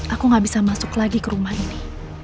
aku gak bisa masuk lagi ke rumah ini